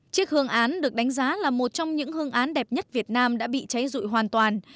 chiếc hương án được đánh giá là một trong những hương án đẹp nhất việt nam đã bị cháy rụi hoàn toàn